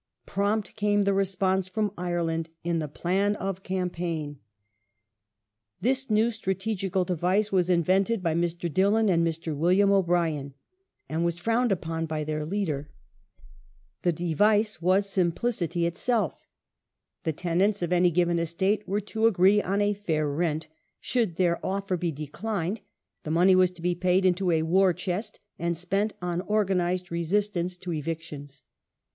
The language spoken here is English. Prompt came the response from Ireland in the " Plan of Cam The paign". This new strategical device was invented by Mr. Dillon ^P^^" °^ and Mr. William O'Brien, and was frowned upon by their leader, paign " The device was simplicity itself The tenants of any given estate were to agree on a " fair " rent ; should their offer be declined, the X money was to be paid into a war chest and spent on organized re ' sistance to evictions.